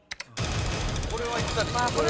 これはいったでしょ。